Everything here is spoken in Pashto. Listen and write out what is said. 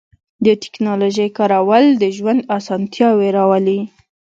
د تکنالوژۍ کارول د ژوند آسانتیاوې راولي.